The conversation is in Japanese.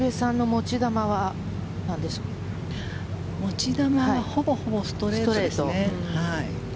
持ち球はほぼほぼストレートですね。